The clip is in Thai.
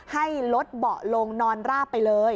ให้ลดเบาะลงนอนราบไปเลย